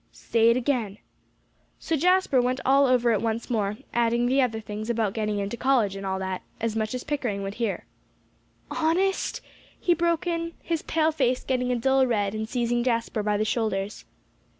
"Say it again." So Jasper went all over it once more, adding the other things about getting into college and all that, as much as Pickering would hear. "Honest?" he broke in, his pale face getting a dull red, and seizing Jasper by the shoulders.